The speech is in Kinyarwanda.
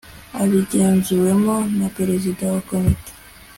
abigenzuwemo na prezida wa komite